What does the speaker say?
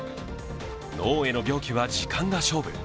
脳への病気は時間が勝負。